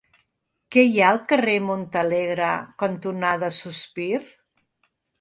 Què hi ha al carrer Montalegre cantonada Sospir?